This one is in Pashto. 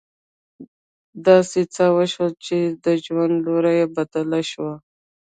داسې څه وشول چې د ژوند لوری يې بدل شو.